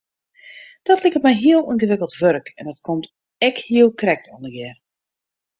Dat liket my heel yngewikkeld wurk en dat komt ek hiel krekt allegear.